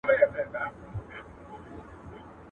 غم پسې جالې گرځي، غڼ پسي مالې گرځي.